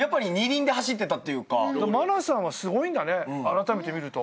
茉奈さんはすごいんだねあらためて見ると。